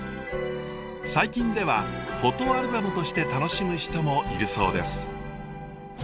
最近ではフォトアルバムとして楽しむ人もいるそうです。